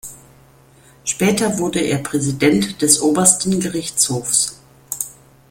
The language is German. Später wurde er Präsident des obersten Gerichtshofs.